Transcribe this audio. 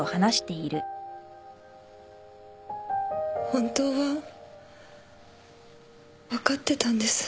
本当は分かってたんです。